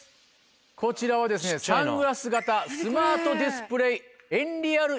こちらはサングラス形スマートディスプレー。